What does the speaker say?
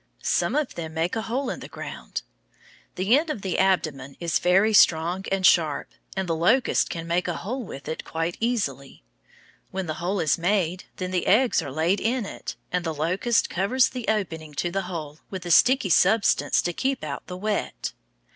Some of them make a hole in the ground. The end of the abdomen is very strong and sharp, and the locust can make a hole with it quite easily. When the hole is made, then the eggs are laid in it, and the locust covers the opening to the hole with a sticky substance to keep out the wet.